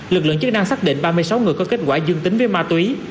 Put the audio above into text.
lực lượng chức năng xác định ba mươi sáu người có kết quả dương tính với ma túy